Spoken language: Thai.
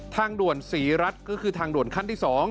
ทางด่วนศรีรัฐก็คือทางด่วนขั้นที่๒